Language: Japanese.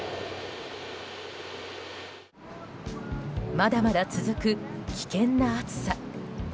まだまだ続く危険な暑さ。